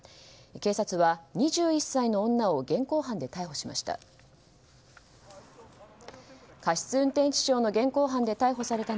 警察は２１歳の女を現行犯で逮捕しました。